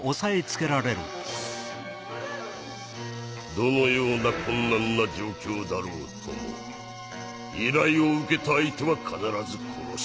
どのような困難な状況だろうとも依頼を受けた相手は必ず殺す。